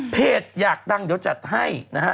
อยากดังเดี๋ยวจัดให้นะฮะ